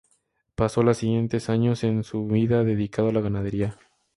Pasó los siguientes años de su vida dedicado a la ganadería.